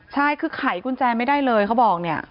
ใช่คือไขกุญแจไม่ได้เลยเขาบอกเนี่ย